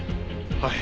はい。